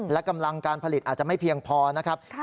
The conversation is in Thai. และกำลังการผลิตอาจจะไม่เพียงพอนะครับ